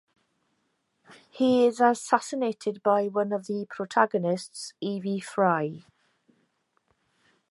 He is assassinated by one of the protagonists, Evie Frye.